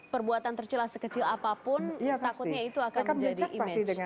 perbuatan tercelah sekecil apapun takutnya itu akan menjadi image